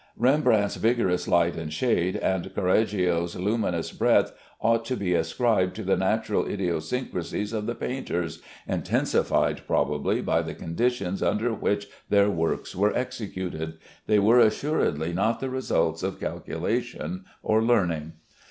Rembrandt's vigorous light and shade and Correggio's luminous breadth ought to be ascribed to the natural idiosyncrasies of the painters, intensified probably by the conditions under which their works were executed. They were assuredly not the results of calculation or learning.